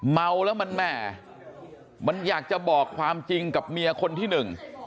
เมาแล้วมันแหม่มันอยากจะบอกความจริงกับเมียคนที่หนึ่ง